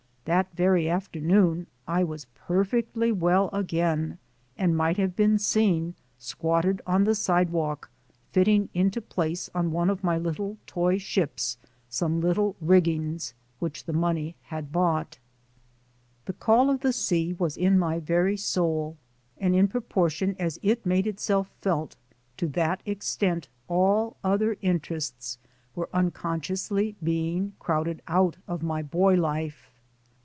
That very afternoon I was perfectly well again and might have been seen squatted on the sidewalk fitting into place on one of my little toy ships some little riggings which the money had bought. The call of the sea was in my very soul, and in proportion as it made itself felt, to that extent all other interests were unconsciously being crowded out of my boy life.